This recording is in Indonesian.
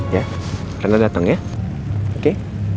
ya karena datang ya oke